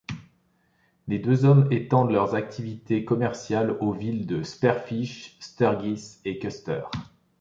Les deux hommes étendent leurs activités commerciales aux villes de Spearfish, Sturgis et Custer.